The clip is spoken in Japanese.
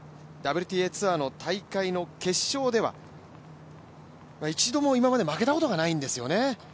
ＷＴＡツアーの大会の決勝では一度も今まで負けたことがないんですよね。